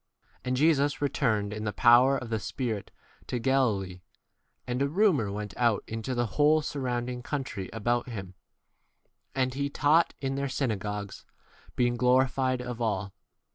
f 14 And Jesus returned in the power of the Spirit to Galilee ; and a rumour went out into the whole surrounding country about him; 15 and lie taught in their synagogues, 16 being glorified of all.